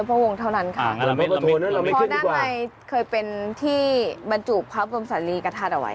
พอด้านในเคยเป็นที่มันจูบครับมนตร์ส่าหรีกระทัดเอาไว้